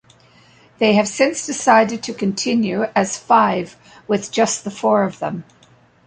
They have since decided to continue as Five with just the four of them.